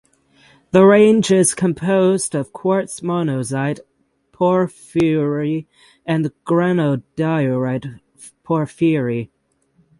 The range is composed of quartz monzonite porphyry and granodiorite porphyry.